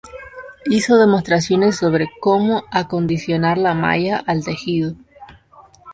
Hizo demostraciones sobre como acondicionar la malla al tejido.